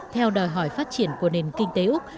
theo đòi hỏi phát triển của nền kinh tế úc